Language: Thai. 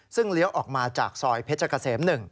ซึ่งเลี้ยวออกมาจากซอยเพชรเกษม๑